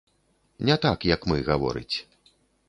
Не так, як мы гаворыць.